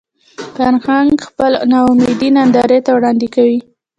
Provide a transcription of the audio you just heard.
فرهنګ خپله ناامیدي نندارې ته وړاندې کوي